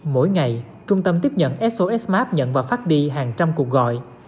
mỗi ngày trung tâm tiếp nhận sos maps nhận và phát đi hàng trăm cuộc gọi